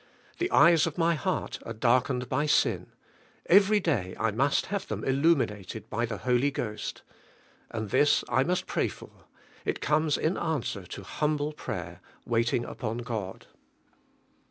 The eyes of my heart are darkened hj sin; every day I must have them illuminated by the Holy Ghost. And this I must pray for; it comes in answer to humble prayer, wait ing upon God.